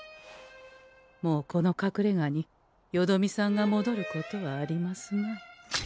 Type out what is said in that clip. もうこのかくれがによどみさんがもどることはありますまい。